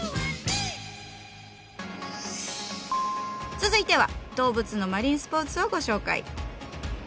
続いては動物のマリンスポーツをご紹介。